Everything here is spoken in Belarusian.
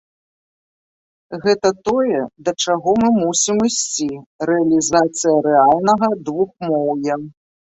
Гэта тое, да чаго мы мусім ісці, рэалізацыя рэальнага двухмоўя.